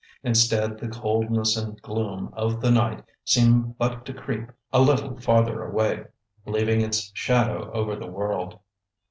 Instead, the coldness and gloom of the night seemed but to creep a little farther away, leaving its shadow over the world.